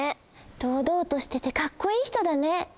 どうどうとしててかっこいい人だね。